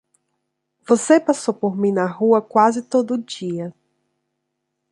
Você passou por mim na rua quase todo dia.